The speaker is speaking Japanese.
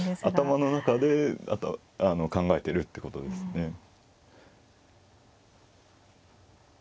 頭の中で考えてるっていうことですね。